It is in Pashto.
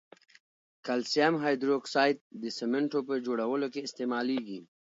کلسیم هایدروکساید د سمنټو په جوړولو کې استعمالیږي.